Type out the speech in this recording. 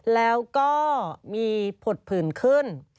แล้วก็มีผดผื่นขึ้น